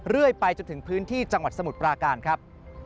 เรื่อยไปจนถึงพื้นที่จังหวัดสมุทรปราการครับ